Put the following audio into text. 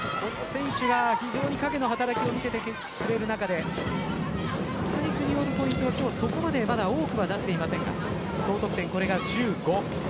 非常に影の選手が働きを見せる中でスパイクによるポイントはそこまでまだ多くはなっていませんが総得点、これで１５。